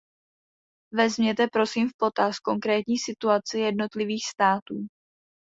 Vezměte prosím v potaz konkrétní situaci jednotlivých států.